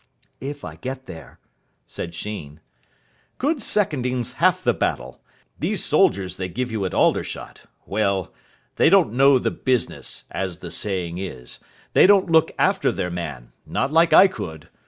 "If I get there," said Sheen. "Good seconding's half the battle. These soldiers they give you at Aldershot well, they don't know the business, as the saying is. They don't look after their man, not like I could.